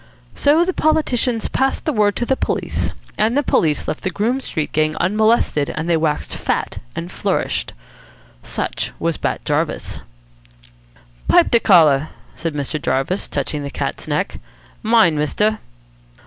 So the politicians passed the word to the police, and the police left the Groome Street Gang unmolested and they waxed fat and flourished. Such was Bat Jarvis. "Pipe de collar," said Mr. Jarvis, touching the cat's neck. "Mine, mister."